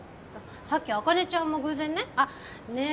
さっき茜ちゃんも偶然ねあっねえ